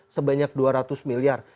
sebanyak dua ratus miliar